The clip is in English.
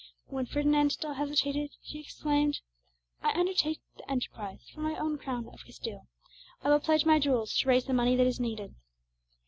When Ferdinand still hesitated, she exclaimed, "I undertake the enterprise for my own crown of Castile. I will pledge my jewels to raise the money that is needed!"